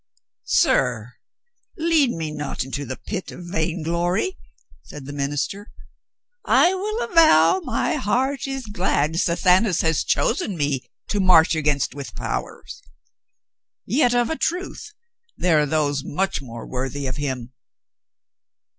"Sir, lead me not into the pit of vainglory," said the minister. "I will avow my heart is glad Sathan as hath chosen me to march against with powers. Yet of a truth there are those much more worthy of him."